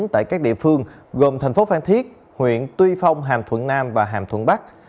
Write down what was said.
tại các địa phương gồm thành phố phan thiết huyện tuy phong hàm thuận nam và hàm thuận bắc